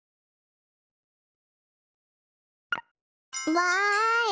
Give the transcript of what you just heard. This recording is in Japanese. わい！